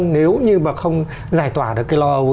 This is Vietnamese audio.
nếu như mà không giải tỏa được cái lâu